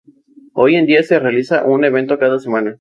Hoy en día se realiza un evento cada semana.